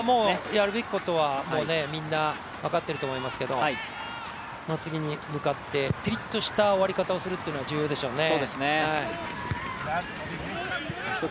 やるべきことはみんな分かっていると思いますけど次に向かって、ピリッとした終わり方をするっていうのは重要でしょうね。